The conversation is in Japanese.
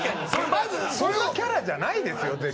そんなキャラじゃないですよ。